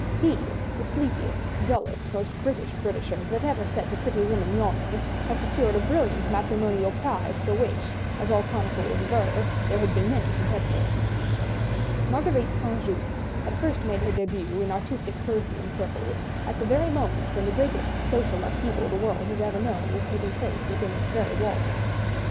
He, the sleepiest, dullest, most British Britisher that had ever set a pretty woman yawning, had secured a brilliant matrimonial prize for which, as all chroniclers aver, there had been many competitors. Marguerite St. Just had first made her début in artistic Parisian circles, at the very moment when the greatest social upheaval the world has ever known was taking place within its very walls.